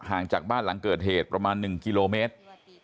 จากบ้านหลังเกิดเหตุประมาณ๑กิโลเมตร